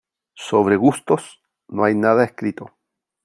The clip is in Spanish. Sobre gustos no hay nada escrito.